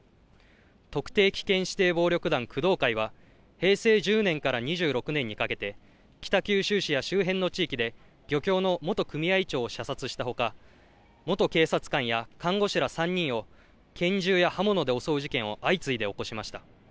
特定危険指定暴力団工藤会は、平成１０年から２６年にかけて、北九州市や周辺の地域で漁協の元組合長を射殺したほか、元警察官や看護師ら３人を拳銃や刃物で襲う事件を相次いで起こしました。